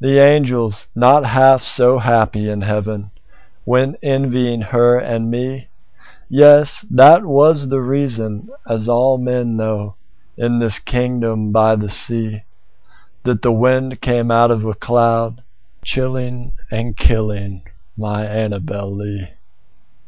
The angels, not half so happy in heaven, Went envying her and me; Yes! that was the reason (as all men know, In this kingdom by the sea)That the wind came out of the cloud by night, Chilling and killing my Annabel Lee.